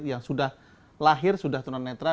yang sudah lahir sudah tuna netra